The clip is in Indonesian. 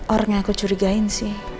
orang yang aku curigain sih